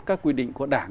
các quy định của đảng